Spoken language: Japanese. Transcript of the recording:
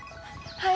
はい。